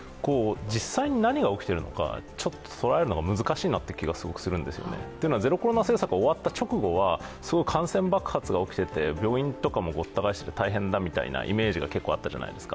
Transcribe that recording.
実際に何が起きているのか捉えるのが難しいなという気がすごくするんですよね。というのはゼロコロナ政策が終わった直後は感染爆発が起きていて病院とかもごった返してて大変だみたいなイメージもあったじゃないですか。